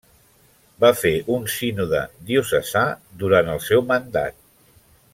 Va fer un sínode diocesà durant el seu mandat.